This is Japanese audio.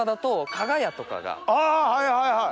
あはいはいはい。